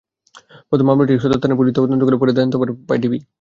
প্রথমে মামলাটি সদর থানার পুলিশ তদন্ত করলেও পরে তদন্তভার পায় ডিবি।